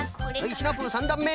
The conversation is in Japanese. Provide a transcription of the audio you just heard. シナプー３だんめ。